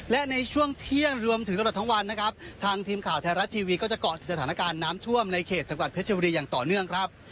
และในช่วงเที่ยงรวมถึงตลอดทั้งวันนะครับทางทีมข่าวไทยรัฐทีวีก็จะเกาะติดสถานการณ์น้ำท่วมในเขตจังหวัดเพชรบุรีอย่างต่อเนื่องครับ